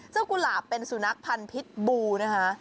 เจ้ากุหลาบเป็นสูนักพันธุ์พิษบูนะคะ